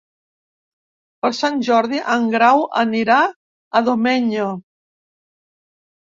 Per Sant Jordi en Grau anirà a Domenyo.